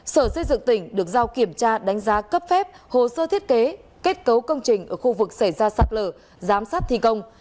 sở xây dựng tỉnh được giao kiểm tra đánh giá cấp phép hồ sơ thiết kế kết cấu công trình ở khu vực xảy ra sạt lở giám sát thi công